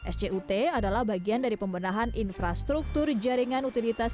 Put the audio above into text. sjut adalah bagian dari pembenahan infrastruktur jaringan utilitas